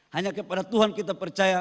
hanya kepada tuhan kita percaya